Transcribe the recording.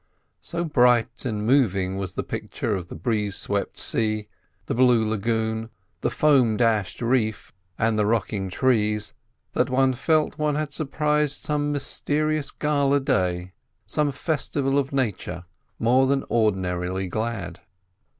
So bright and moving was the picture of the breeze swept sea, the blue lagoon, the foam dashed reef, and the rocking trees that one felt one had surprised some mysterious gala day, some festival of Nature more than ordinarily glad.